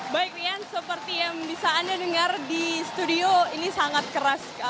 baik rian seperti yang bisa anda dengar di studio ini sangat keras